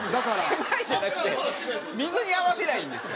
狭いじゃなくて水に合わせりゃいいんですよ。